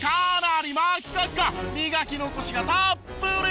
磨き残しがたっぷり！